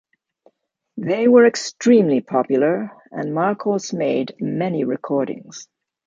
They were extremely popular, and Markos made many recordings.